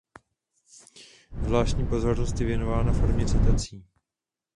Zvláštní pozornost je věnována formě citací.